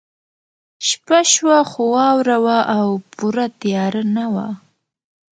شپه شوه خو واوره وه او پوره تیاره نه وه